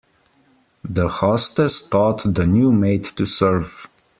The hostess taught the new maid to serve.